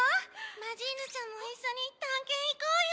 マジーヌちゃんも一緒に探検行こうよ。